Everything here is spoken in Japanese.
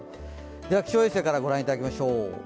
では、気象衛星から御覧いただきましょう。